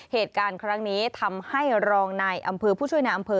เหตุการณ์ครั้งนี้ทำให้รองนายอำเภอผู้ช่วยในอำเภอ